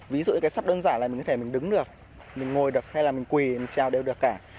ví dụ như cái sắp đơn giản là mình có thể mình đứng được mình ngồi được hay là mình quỳ mình treo đều được cả